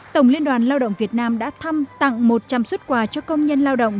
tổng liên đoàn lao động việt nam đã thăm tặng một trăm linh xuất quà cho công nhân lao động